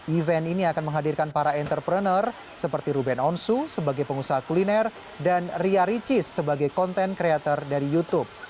event ini akan menghadirkan para entrepreneur seperti ruben onsu sebagai pengusaha kuliner dan ria ricis sebagai konten kreator dari youtube